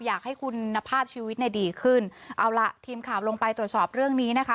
อยากให้คุณภาพชีวิตเนี่ยดีขึ้นเอาล่ะทีมข่าวลงไปตรวจสอบเรื่องนี้นะคะ